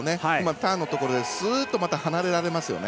ターンのところでスーッと離れられますよね。